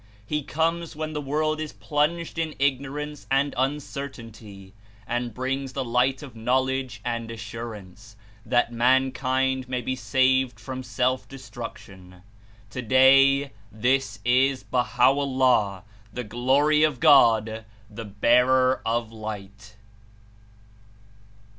He comes when the world is plunged In Ignorance and uncertainty, and brings the light of knowledge and assurance, that mankind may be saved from self destruction. Today this Is Baha'o'llah, the Glory of God, the Bearer of Light.